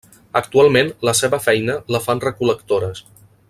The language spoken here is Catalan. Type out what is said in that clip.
Actualment la seva feina la fan recol·lectores.